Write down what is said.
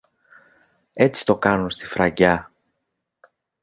Έτσι το κάνουν στη Φραγκιά.